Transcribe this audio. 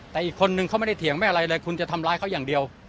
แต่อีกคนนึงเขาไม่ได้เถียงไม่อะไรเลยคุณจะทำร้ายเขาอย่างเดียว